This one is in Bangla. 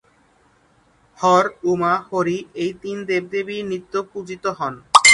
হর, উমা, হরি, এই তিন দেবদেবী নিত্য পূজিত হন।